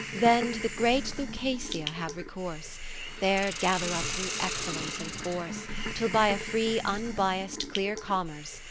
Then to the great Lucasia have recourse, There gather up new excellence and force, Till by a free unbiass'd clear com merce.